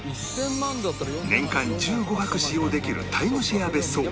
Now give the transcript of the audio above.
年間１５泊使用できるタイムシェア別荘